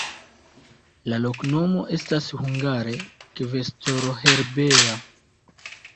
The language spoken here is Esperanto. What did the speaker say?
La loknomo estas hungare: kvestoro-herbeja.